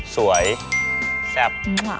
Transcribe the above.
สวยแซ่บ